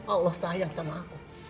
allah sayang sama aku